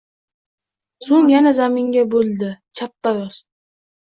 So‘ng yana zaminga bo‘ldi chappa-rost, —